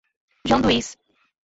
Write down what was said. Janduís